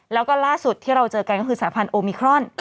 แล้วก็ล่าสุดที่เราเจอกันก็คือสายพันธุมิครอน